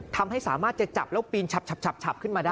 ทำให้สามารถจะจับแล้วปีนฉับขึ้นมาได้